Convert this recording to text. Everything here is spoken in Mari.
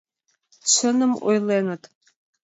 Чыным ойленыт...